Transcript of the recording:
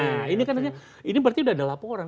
nah ini kan artinya ini berarti sudah ada laporan